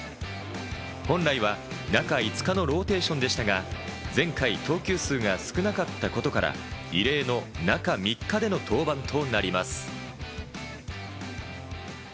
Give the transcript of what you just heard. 本来は中５日のローテーションでしたが、前回は投球数が少なかったことから、異例の中３日での登板となります。